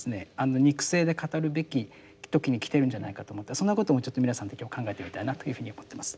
肉声で語るべき時に来ているんじゃないかと思ってそんなこともちょっと皆さんと今日考えてみたいなというふうに思ってます。